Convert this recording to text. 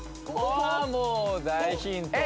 あもう大ヒント